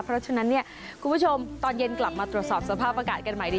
เพราะฉะนั้นเนี่ยคุณผู้ชมตอนเย็นกลับมาตรวจสอบสภาพอากาศกันใหม่ดี